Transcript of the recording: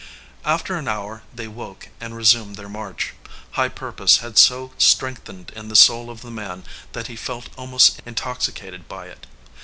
After an hour they woke and resumed their march. High purpose had so strengthened in the soul of the man that he felt almost intoxicated by it.